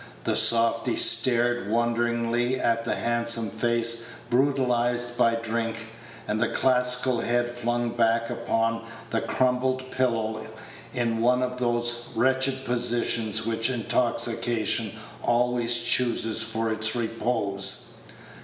The softy stared wonderingly at the handsome face brutalized by drink, and the classical head flung back upon the crumpled pillow in one of those wretched positions which intoxication always chooses for its repose.